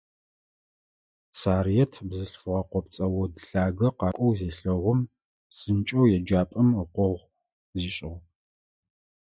Сарыет бзылъфыгъэ къопцӏэ од лъагэ къакӏоу зелъэгъум, псынкӏэу еджапӏэм ыкъогъу зишӏыгъ.